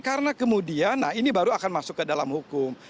karena kemudian nah ini baru akan masuk ke dalam hukum